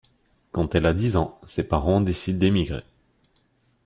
Quand elle a dix ans, ses parents décident d’émigrer.